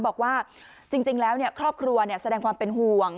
บอกว่าจริงแล้วครอบครัวแสดงความเป็นห่วง